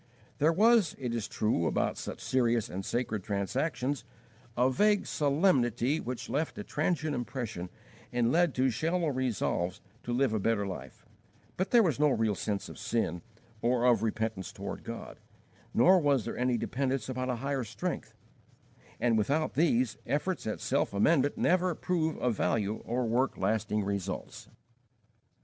There was, it is true about such serious and sacred transactions, a vague solemnity which left a transient impression and led to shallow resolves to live a better life; but there was no real sense of sin or of repentance toward God, nor was there any dependence upon a higher strength: and, without these, efforts at self amendment never prove of value or work lasting results.